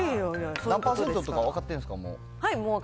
何％とか分かってるんですか？